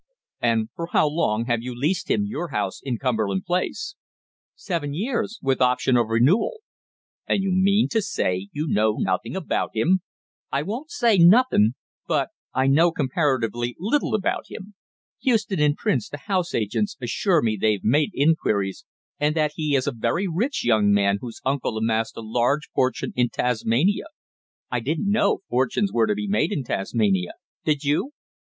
"And for how long have you leased him your house in Cumberland Place?" "Seven years, with option of renewal." "And you mean to say you know nothing about him?" "I won't say 'nothin',' but I know comparatively little about him. Houston and Prince, the house agents, assure me they've made inquiries, and that he is a rich young man whose uncle amassed a large fortune in Tasmania I didn't know fortunes were to be made in Tasmania, did you?